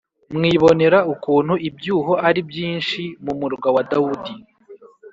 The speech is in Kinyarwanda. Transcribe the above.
mwibonera ukuntu ibyuho ari byinshi mu murwa wa Dawudi.